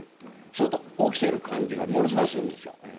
そうすると起きている感じがするんですよ。